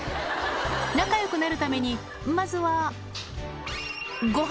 仲よくなるためにまずは。